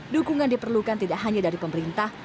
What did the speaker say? dukungan diperlukan tidak hanya dari pemerintah